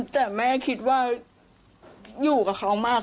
แต่แม่คิดว่าอยู่กับเขามาก